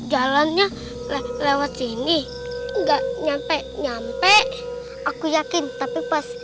jalannya lewat sini enggak nyampe nyampe aku yakin tapi pas